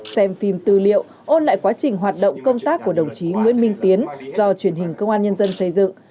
xem phim tư liệu ôn lại quá trình hoạt động công tác của đồng chí nguyễn minh tiến do truyền hình công an nhân dân xây dựng